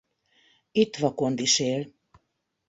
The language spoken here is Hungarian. Itt vakond is él.